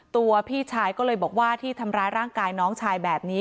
ตัวพี่ชายก็เลยบอกว่าที่ทำร้ายร่างกายน้องชายแบบนี้